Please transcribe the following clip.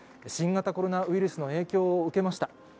新型コロナウイルスの影響を受けました。